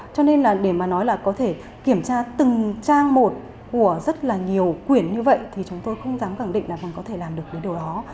cho nên là để mà nói là có thể kiểm tra từng trang một của rất là nhiều quyển như vậy thì chúng tôi không dám khẳng định là mình có thể làm được cái điều đó